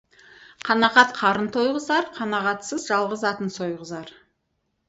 Қанағат қарын тойғызар, қанағатсыз жалғыз атын сойғызар.